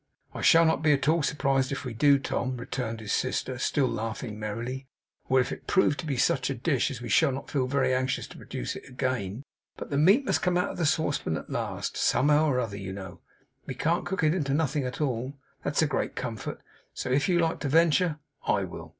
'I shall not be at all surprised if we do, Tom,' returned his sister, still laughing merrily, 'or if it should prove to be such a dish as we shall not feel very anxious to produce again; but the meat must come out of the saucepan at last, somehow or other, you know. We can't cook it into nothing at all; that's a great comfort. So if you like to venture, I will.